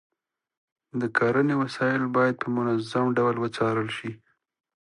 د کرنې وسایل باید په منظم ډول وڅارل شي.